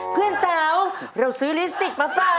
เพื่อนสาวเราซื้อลิปสติกมาฝาก